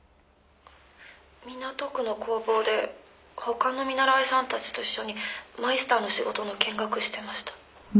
「港区の工房で他の見習いさんたちと一緒にマイスターの仕事の見学してました」